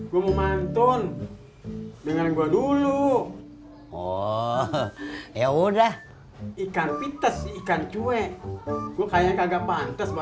gua mau mantun dengan gua dulu oh ya udah ikan pites ikan cuek gua kayak kagak pantes